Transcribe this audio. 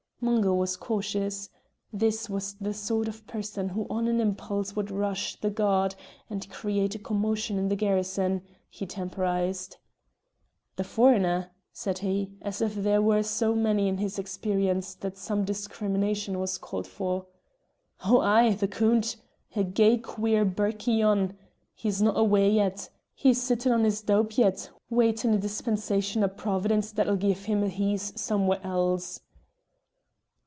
Mungo was cautious. This was the sort of person who on an impulse would rush the guard and create a commotion in the garrison; he temporised. "The foreigner?" said he, as if there were so many in his experience that some discrimination was called for. "Oh ay, the Coont. A gey queer birkie yon! He's no' awa yet. He's sittin' on his dowp yet, waitin' a dispensation o' Providence that'll gie him a heeze somewhere else."